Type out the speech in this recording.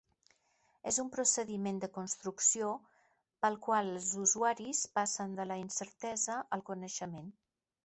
És un procediment de construcció pel qual els usuaris passen de la incertesa al coneixement.